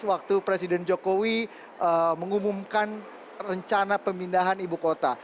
waktu presiden jokowi mengumumkan rencana pemindahan ibu kota